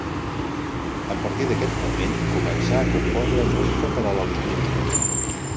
A partir d'aquest moment començà a compondre música per a la litúrgia.